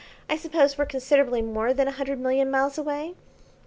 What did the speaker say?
I suppose we're considerably more than a hundred million miles away?"